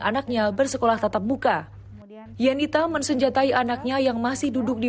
anaknya bersekolah tetap buka yanita mensenjatai anaknya yang masih duduk di